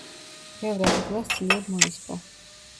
ბევრ ადგილას ძლიერ მოისპო.